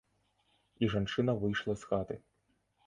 І жанчына выйшла з хаты.